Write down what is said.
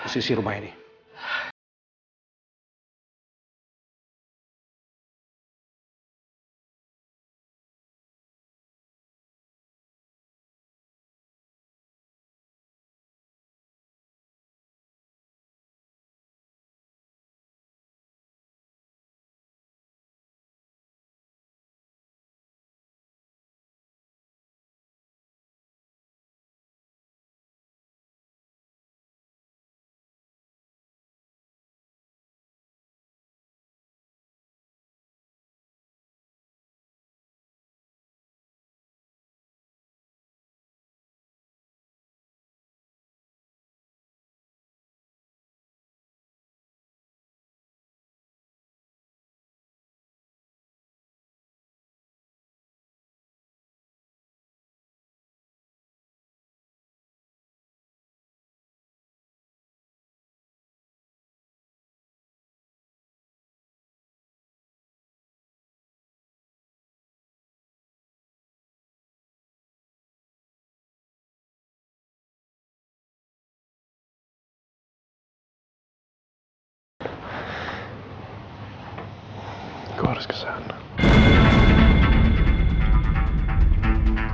sisi rumah ini